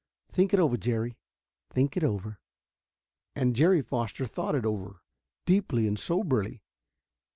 Think it over, Jerry think it over." And Jerry Foster thought it over, deeply and soberly.